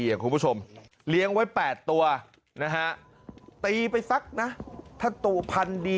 เนี่ยคุณผู้ชมเลี้ยงไว้ตัวนะฮะตีไปฟักนะถ้าตัวพันธุ์ดี